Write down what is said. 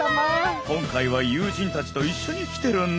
今回は友人たちと一緒に来てるんだ。